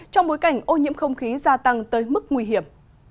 trong bối cảnh ô nhiễm không khí gia tăng tới mức nguy hiểm